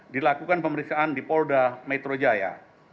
dilakukan pemeriksaan di polda metro jaya